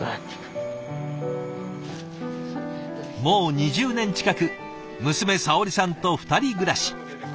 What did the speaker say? もう２０年近く娘さおりさんと２人暮らし。